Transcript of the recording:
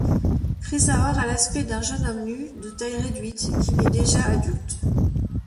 Chrysaor a l'aspect d'un jeune homme nu de taille réduite qui naît déjà adulte.